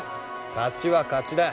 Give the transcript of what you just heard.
勝ちは勝ちだ。